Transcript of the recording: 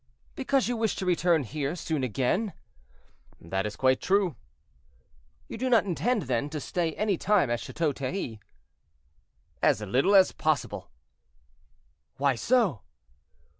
"Because you wish to return here soon again?" "That is quite true." "You do not intend, then, to stay any time at Chateau Thierry?" "As little as possible." "Why so?"